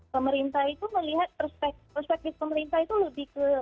pemerintah itu melihat perspektif pemerintah itu lebih ke